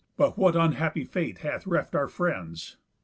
But what unhappy fate hath reft our friends?